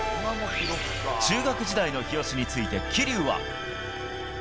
中学時代の日吉について桐生は。